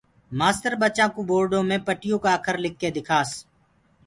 مآستر ٻچآنٚ ڪو بورڊو مي پٽيو ڪآ اکر لک ڪي دکاس